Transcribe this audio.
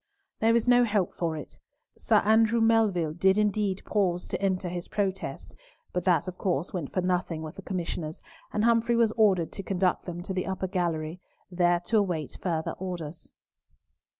There was no help for it. Sir Andrew Melville did indeed pause to enter his protest, but that, of course, went for nothing with the Commissioners, and Humfrey was ordered to conduct them to the upper gallery, there to await further orders.